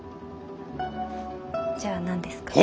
じゃあ何ですか？